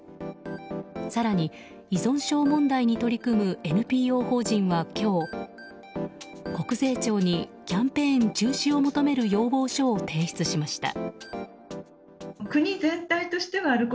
更に、依存症問題に取り組むＮＰＯ法人は今日、国税庁にキャンペーン中止を求める要望書を提出しました。